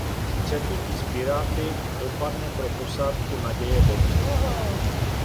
Střetnutí s piráty dopadne pro posádku Naděje dobře.